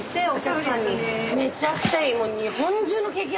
めちゃくちゃいい！